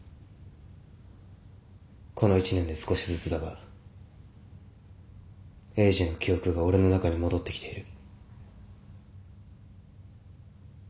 この一年で少しずつだがエイジの記憶が俺の中に戻ってきている。